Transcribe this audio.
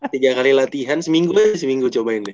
tiga kali latihan seminggu aja seminggu cobain deh